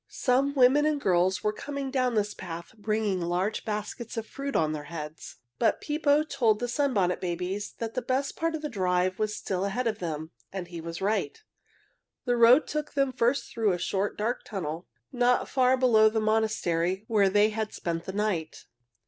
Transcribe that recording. Some women and girls were coming down this path bringing large baskets of fruit on their heads. But Pippo told the Sunbonnet Babies that the best part of the drive was still ahead of them. And he was right. The road took them first through a short, dark tunnel, not far below the monastery where they had spent the night.